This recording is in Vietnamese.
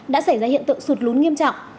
đã xảy ra hiện tượng sụt lún nghiêm trọng